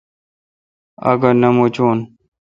آگا نہ مچون۔